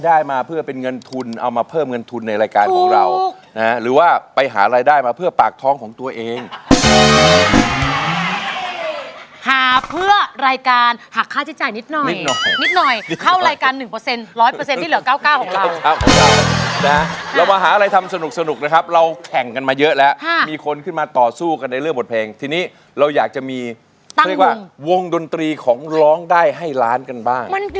เดี๋ยวเราจะตอบกลับบ้านไปโกนหนวดก่อนหน่ะ